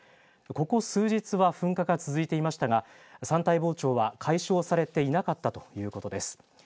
ここ数日は噴火が続いていましたが山体膨張は解消されていなかったということです。